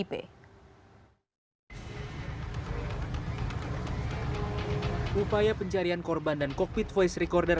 upaya pencarian korban dan cockpit voice recorder